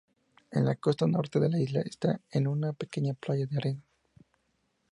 En la costa norte de la isla esta una pequeña playa de arena.